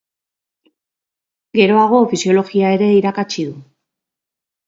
Geroago Fisiologia ere irakatsi du.